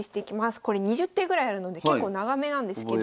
これ２０手ぐらいあるので結構長めなんですけど。